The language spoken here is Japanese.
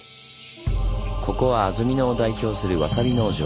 ここは安曇野を代表するわさび農場。